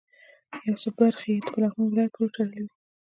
یو څه برخې یې په لغمان ولایت پورې تړلې وې.